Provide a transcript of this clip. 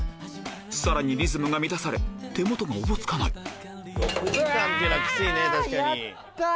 さらにリズムが乱され手元がおぼつかないうわ！